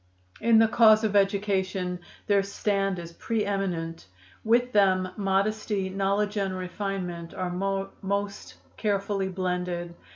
In the cause of education their stand is pre eminent. With them modesty, knowledge and refinement are most carefully blended.